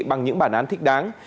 bằng những bản án thích đáng